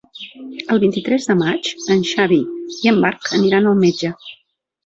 El vint-i-tres de maig en Xavi i en Marc aniran al metge.